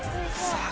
・さあ